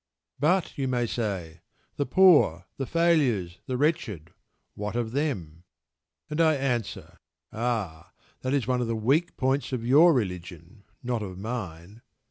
"But," you may say, "the poor, the failures, the wretched what of them?" And I answer: "Ah! that is one of the weak points of your religion, not of mine."